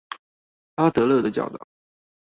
阿德勒的教導